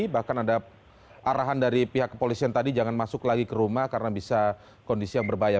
bahkan ada arahan dari pihak kepolisian tadi jangan masuk lagi ke rumah karena bisa kondisi yang berbahaya